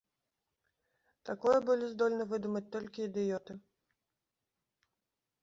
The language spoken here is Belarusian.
Такое былі здольны выдумаць толькі ідыёты.